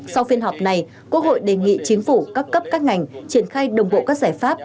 sau phiên họp này quốc hội đề nghị chính phủ các cấp các ngành triển khai đồng bộ các giải pháp